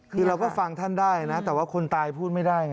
คือเราก็ฟังท่านได้นะแต่ว่าคนตายพูดไม่ได้